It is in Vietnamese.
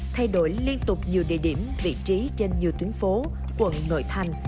thay đổi liên tục nhiều địa điểm vị trí trên nhiều tuyến phố quận nội thành